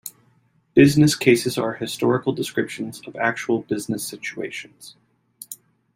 Business cases are historical descriptions of actual business situations.